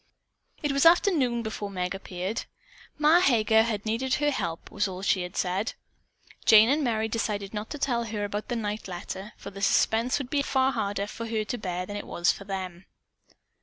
It was after noon before Meg appeared. "Ma Heger" had needed her help, was all that she said. Jane and Merry decided not to tell her about the night letter, for the suspense would be far harder for her to bear than it was for them.